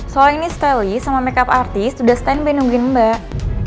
soalnya ini stylist sama makeup artist udah stand by nungguin mbak